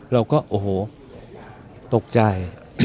แล้วก็โอ้โหตกใจ